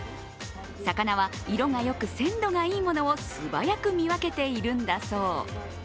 魚は色がよく鮮度がいいものを素早く見分けているんだそう。